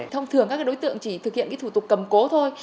thông thường các đối tượng chỉ thực hiện thủ tục cầm cố thôi